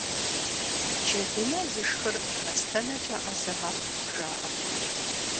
Джэдынэ зышхыр мастэнэкӀэ Ӏэзэ мэхъу, жаӀэрт.